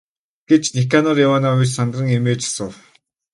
гэж Никанор Иванович сандран эмээж асуув.